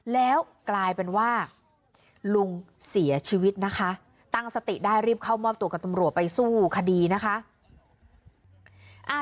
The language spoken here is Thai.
แล้วกลายเป็นว่าลุงเสียชีวิตนะคะตั้งสติได้รีบเข้ามอบตัวกับตำรวจไปสู้คดีนะคะ